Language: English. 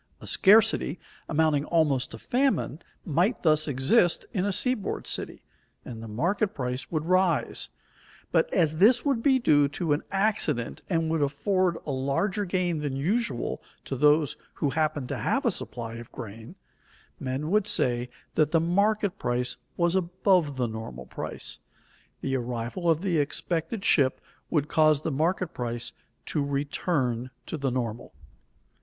A scarcity amounting almost to famine might thus exist in a seaboard city, and the market price would rise; but as this would be due to an accident and would afford a larger gain than usual to those who happened to have a supply of grain, men would say that the market price was above the normal price. The arrival of the expected ship would cause the market price to return to the normal.